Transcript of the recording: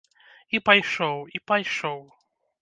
І пайшоў, і пайшоў.